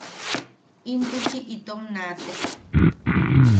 Intuchi itom naatek.